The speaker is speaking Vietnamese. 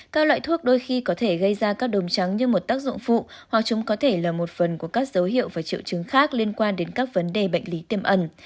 các loại thuốc đôi khi có thể gây ra các đốm trắng như một tác dụng phụ hoặc chúng có thể là một phần của các dấu hiệu và triệu chứng khác liên quan đến các vấn đề bệnh lý tiềm ẩn